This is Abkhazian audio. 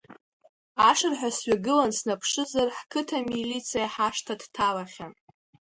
Ашырҳәа сҩагылан снаԥшызар, ҳқыҭа милициа ҳашҭа дҭалахьан.